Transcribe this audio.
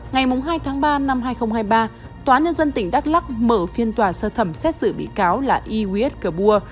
ngày hai tháng ba năm hai nghìn hai mươi ba tòa nhân dân tỉnh đắk lắc mở phiên tòa sơ thẩm xét xử bị cáo là iwis kabua